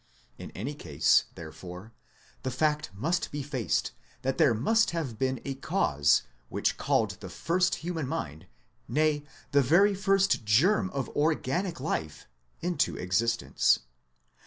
In any case, there fore, the fact must be faced that there must have been a cause which called the first human mind, nay the very first germ of organic life, into existence.